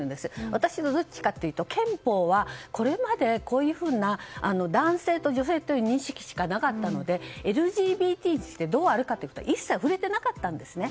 私は、どっちかというと憲法はこれまで、こういうふうな男性と女性という認識しかなかったのでＬＧＢＴがどうあるかは一切触れていなかったんですね。